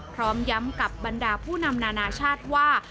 พร้อมย้ำกับบรรดาผู้นำนานาชาติว่า